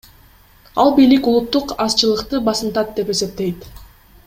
Ал бийлик улуттук азчылыкты басынтат деп эсептейт.